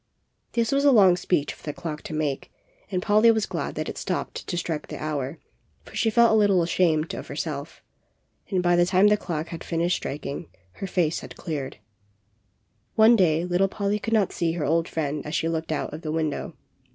This was a long speech for the clock to make, and Polly was glad that it stopped to strike the hour, for she felt a little ashamed of herself, and, by the time the clock had finished striking, her face had cleared. POLLY'S CLOCK. 61 One day little Polly could not see her old friend as she looked out of the window.